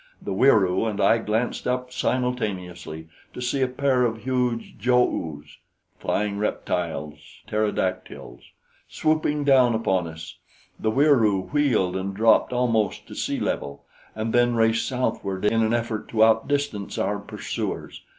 The Wieroo and I glanced up simultaneously, to see a pair of huge jo oos" (flying reptiles pterodactyls) "swooping down upon us. The Wieroo wheeled and dropped almost to sea level, and then raced southward in an effort to outdistance our pursuers.